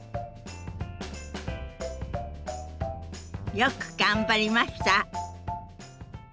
よく頑張りました。